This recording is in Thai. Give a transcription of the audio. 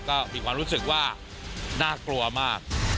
ก็มีความรู้สึกว่าน่ากลัวมาก